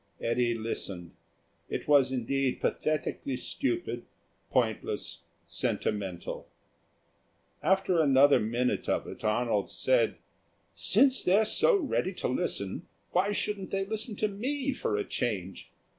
Eddy listened. It was indeed pathetically stupid, pointless, sentimental. After another minute of it, Arnold said, "Since they're so ready to listen, why shouldn't they listen to me for a change?"